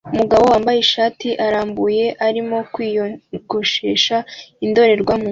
Umugabo wambaye ishati irambuye arimo kwiyogoshesha indorerwamo